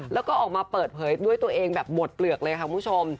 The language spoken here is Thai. แล้วก็ออกมาเปิดเผยด้วยตัวเองแบบหมดเปลือกเลยค่ะคุณผู้ชม